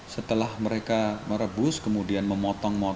setelah mereka merebus mereka tidak bisa menghilangkan jari